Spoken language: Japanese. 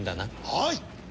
はい！